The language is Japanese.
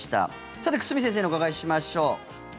さて、久住先生にお伺いしましょう。